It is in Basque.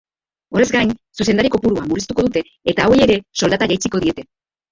Horrez gain, zuzendari-kopurua murriztuko dute eta hauei ere soldata jaitsiko diete.